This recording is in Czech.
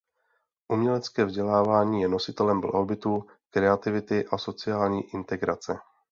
Umělecké vzdělávání je nositelem blahobytu, kreativity a sociální integrace.